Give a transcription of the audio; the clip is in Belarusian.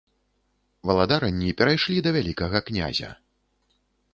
Валадаранні перайшлі да вялікага князя.